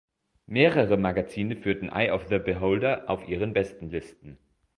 Mehrere Magazine führten "Eye of the Beholder" auf Ihren Bestenlisten.